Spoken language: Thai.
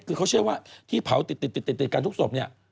คือเขาเชื่อว่าที่เผาติดกันทุกศพเนี่ย